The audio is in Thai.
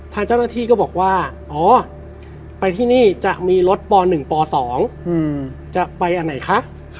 ทางเจ้าหน้าที่ก็บอกว่าอ๋อไปที่นี่จะมีรถป๑ป๒จะไปอันไหนคะ